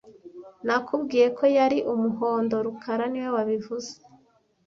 Nakubwiye ko yari umuhondo rukara niwe wabivuze